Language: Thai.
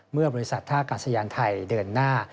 เมื่อบริษัทท่ากาศยานไทยเดินหน้า